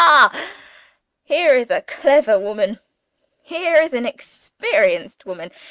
ha! Here is a clever woman here is an experienced woman.